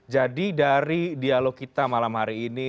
jadi dari dialog kita malam hari ini